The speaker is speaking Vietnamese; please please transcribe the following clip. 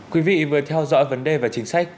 quý vị vừa theo dõi vấn đề và chính sách